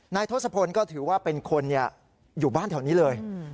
ทศพลก็ถือว่าเป็นคนอยู่บ้านแถวนี้เลย